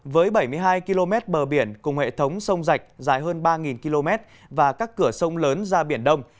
với bảy mươi hai km bờ biển cùng hệ thống sông rạch dài hơn ba km và các cửa sông lớn ra biển đông